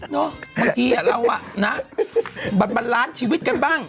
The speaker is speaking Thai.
เนอะบางทีเราอ่ะนะบันบันล้านชีวิตกันบ้าง